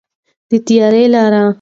د تیارې لارې.